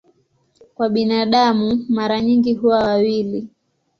Kwa binadamu mara nyingi huwa wawili.